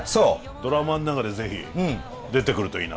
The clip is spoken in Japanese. ドラマの中で是非出てくるといいな。